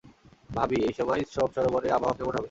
ভাবি, এই সময় সোম সরোবরে আবহাওয়া কেমন হবে?